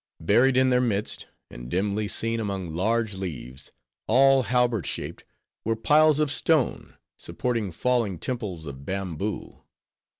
Buried in their midst, and dimly seen among large leaves, all halberd shaped, were piles of stone, supporting falling temples of bamboo.